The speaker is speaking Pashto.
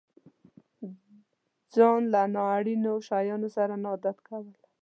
ځان له نا اړينو شيانو سره نه عادت کول.